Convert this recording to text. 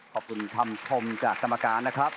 ขอบคุณคำชมจากกรรมการนะครับ